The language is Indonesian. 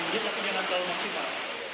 di indonesia tidak ada yang tahu maksimal